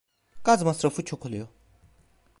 Gaz masrafı çok oluyor.